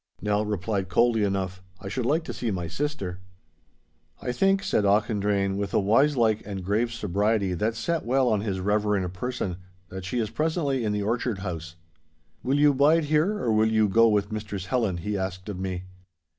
Nell replied coldly enough, 'I should like to see my sister.' 'I think,' said Auchendrayne, with a wiselike and grave sobriety that set well on his reverend person, 'that she is presently in the orchard house.' 'Will you bide here, or will you go with Mistress Helen?' he asked of me.